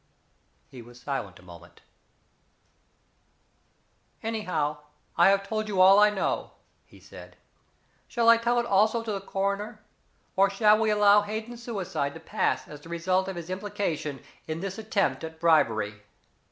He was silent a moment. "Anyhow, I have told you all I know," he said. "Shall I tell it also to the coroner? Or shall we allow Hayden's suicide to pass as the result of his implication in this attempt at bribery?